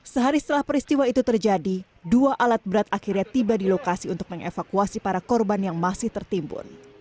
sehari setelah peristiwa itu terjadi dua alat berat akhirnya tiba di lokasi untuk mengevakuasi para korban yang masih tertimbun